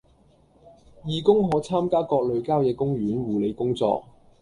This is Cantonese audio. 義工可參加各類郊野公園護理工作